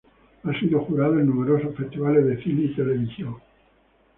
Ha sido jurado en numerosos Festivales de Cine y Televisión.